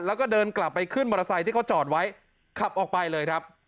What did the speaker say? แล้วก็เดินกลับไปขึ้นมอเตอร์ไซค์ที่เขาจอดไว้ขับออกไปเลยครับ